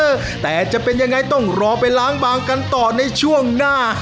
เออแต่จะเป็นยังไงต้องรอไปล้างบางกันต่อในช่วงหน้า